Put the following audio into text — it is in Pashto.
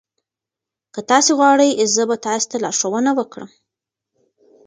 که تاسي وغواړئ زه به تاسي ته لارښوونه وکړم.